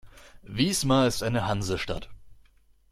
Wismar ist eine Hansestadt.